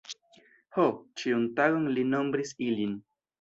Ho, ĉiun tagon li nombris ilin.